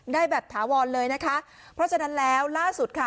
ได้แบบถาวรเลยนะคะเพราะฉะนั้นแล้วล่าสุดค่ะ